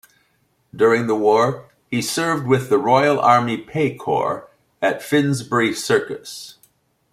During the war, he served with the Royal Army Pay Corps at Finsbury Circus.